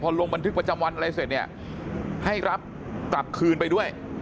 ลงบันทึกประจำวันอะไรเสร็จเนี่ยให้รับกลับคืนไปด้วย